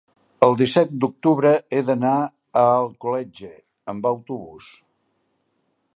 el disset d'octubre he d'anar a Alcoletge amb autobús.